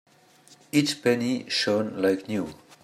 Each penny shone like new.